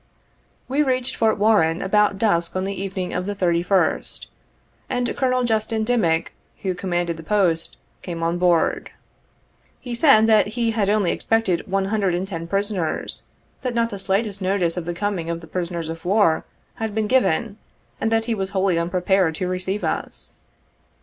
We reached Fort Warren about dusk on the evening of the 31st, and Colonel Justin Dimick, who commanded the Post, came on board. He said that he had only expected one hundred and ten prisoners, that not the slightest notice of the coming of the prisoners of war, had been given, and that he was wholly unprepared to receive us.